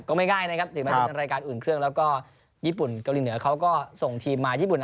ก็ไม่ง่ายนะครับถึงแม้จะเป็นรายการอื่นเครื่องแล้วก็ญี่ปุ่นเกาหลีเหนือเขาก็ส่งทีมมาญี่ปุ่น